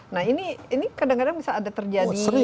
nah ini kadang kadang bisa ada terjadi